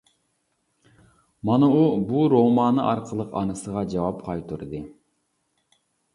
مانا ئۇ بۇ رومانى ئارقىلىق ئانىسىغا جاۋاب قايتۇردى.